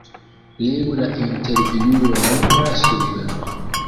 Legu la intervjuon sube.